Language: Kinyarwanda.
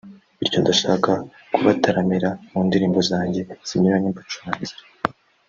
bityo ndashaka kubataramira mu ndirimbo zanjye zinyuranye mbacurangira